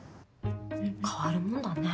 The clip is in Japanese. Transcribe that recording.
変わるもんだね。